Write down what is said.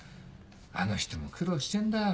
あの人も苦労してんだ